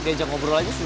di ajak ngobrol aja susah